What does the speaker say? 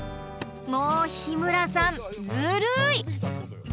もう日村さんずるい！